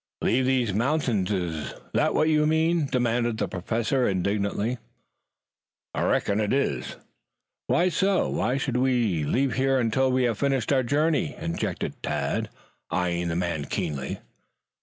"Leave these mountains? Is that what you mean?" demanded the Professor indignantly. "I reckon that's it." "Why so? Why should we leave here until we have finished our journey?" interjected Tad, eyeing the man keenly.